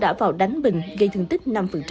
pháp đã vào đánh bình gây thương tích năm